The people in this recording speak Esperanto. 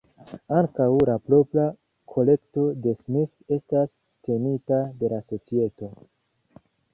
Ankaŭ la propra kolekto de Smith estas tenita de la Societo.